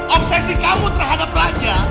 obsesi kamu terhadap raja